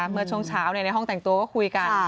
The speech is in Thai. เมื่อช่วงเช้าในห้องแต่งตัวก็คุยกัน